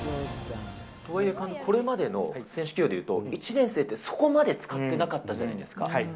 これまでの選手起用で言うと、１年生ってそこまで使ってなかったじゃないですか。